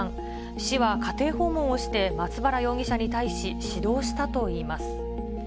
市は家庭訪問をして、松原容疑者に対し指導したといいます。